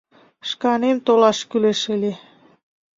Шканемак толаш кӱлеш ыле.